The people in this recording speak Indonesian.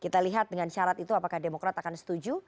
kita lihat dengan syarat itu apakah demokrat akan setuju